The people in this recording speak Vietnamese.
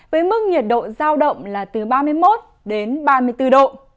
với mức nhiệt độ giao động là từ ba mươi một đến ba mươi bốn độ